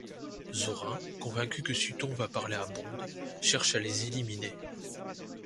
Zorin, convaincu que Sutton va parler à Bond, cherche à les éliminer.